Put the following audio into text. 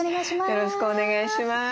よろしくお願いします。